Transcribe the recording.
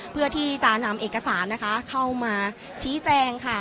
เพื่อที่จะนำเอกสารนะคะเข้ามาชี้แจงค่ะ